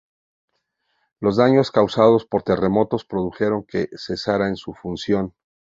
Los daños causados por terremotos produjeron que cesara en su función.